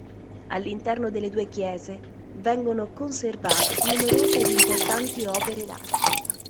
All'interno delle due chiese vengono conservate numerose ed importanti opere d'arte.